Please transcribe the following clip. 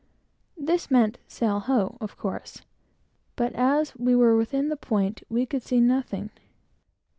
This meant "Sail ho!" of course, but as we were within the point we could see nothing.